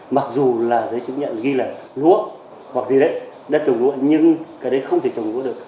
mặc dù là giấy chứng nhận ghi là lúa hoặc gì đấy đã trồng lúa nhưng cái đấy không thể trồng lúa được